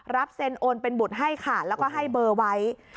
เซ็นโอนเป็นบุตรให้ค่ะแล้วก็ให้เบอร์ไว้